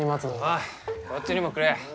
おいこっちにもくれ。